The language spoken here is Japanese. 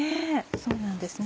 そうなんですね